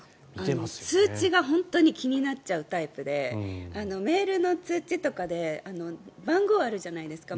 通知が本当に気になっちゃうタイプでメールの通知とかで番号あるじゃないですか。